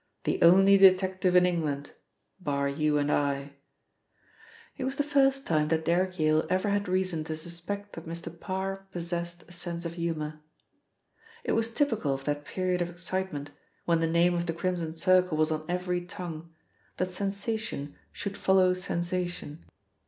"The only detective in England bar you and I." It was the first time that Derrick Yale ever had reason to suspect that Mr. Parr possessed a sense of humour. It was typical of that period of excitement, when the name of the Crimson Circle was on every tongue, that sensation should follow sensation.